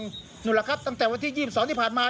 นั่นแหละครับตั้งแต่วันที่๒๒ที่ผ่านมา